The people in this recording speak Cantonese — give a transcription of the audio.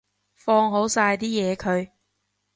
放好晒啲嘢佢